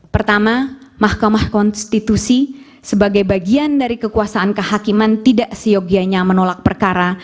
pertama mahkamah konstitusi sebagai bagian dari kekuasaan kehakiman tidak seyogianya menolak perkara